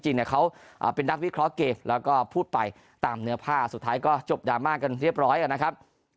จริงเขาเป็นนักวิเคราะห์เกมแล้วก็พูดไปตามเนื้อผ้าสุดท้ายก็จบดราม่ากันเรียบร้อยนะครับ